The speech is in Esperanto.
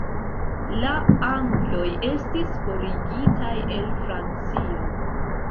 La Angloj estis forigitaj el Francio.